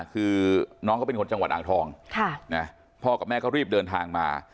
คือน้องเขาเป็นคนจังหวัดอ่างทองพ่อกับแม่ก็รีบเดินทางมา